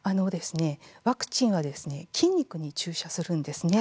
ワクチンは筋肉に注射するんですね。